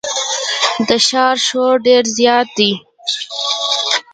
د ښار شور ډېر زیات دی.